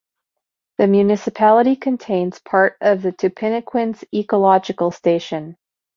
The municipality contains part of the Tupiniquins Ecological Station.